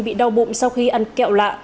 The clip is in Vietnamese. bị đau bụng sau khi ăn kẹo lạ